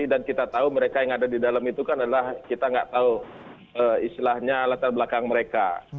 dan kita tahu mereka yang ada di dalam itu kan adalah kita gak tahu istilahnya latar belakang mereka